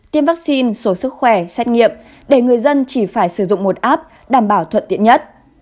tiêm vaccine sổ sức khỏe xét nghiệm để người dân chỉ phải sử dụng một app đảm bảo thuận tiện nhất